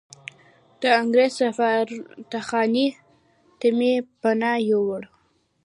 د انګریز سفارتخانې ته مې پناه یووړه.